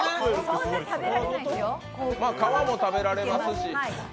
皮も食べられますし。